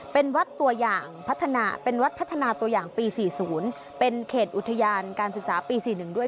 เป็นวัดพัฒนาตัวอย่างปี๔๐เป็นเขตอุทยานการศึกษาปี๔๑ด้วย